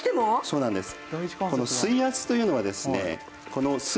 そうなんです。